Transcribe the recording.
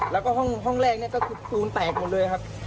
แล้วก็ห้องแรกเนี่ยก็คือปูนแตกหมดเลยครับ